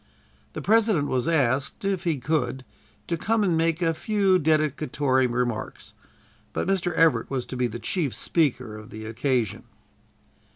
The President was asked, if he could, to come and make a few dedicatory remarks, but Mr. Everett was to be the chief speaker of the occasion.